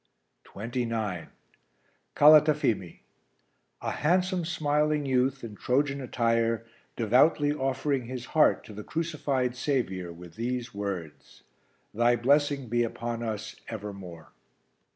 29. Calatafimi. A handsome, smiling youth in Trojan attire devoutly offering his heart to the crucified Saviour with these words: "Thy blessing be upon us evermore."